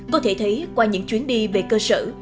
có thể thấy qua những chuyến đi về cơ sở